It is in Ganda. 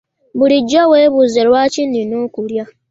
Bulijjo weebuuze lwaki nina okulya?